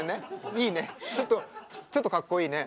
いいねちょっとかっこいいね。